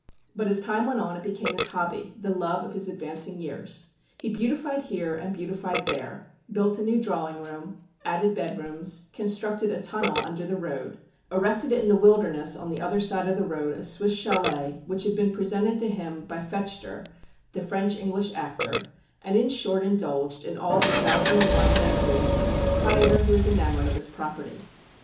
But as time went on it became his hobby, the love of his advancing years. He beautified here and beautified there, built a new drawing room, added bedrooms, constructed a tunnel under the road, erected in the "wilderness" on the other side of the road a Swiss châlet, which had been presented to him by Fechter, the French English actor, and in short indulged in all the thousand and one vagaries of a proprietor who is enamoured of his property.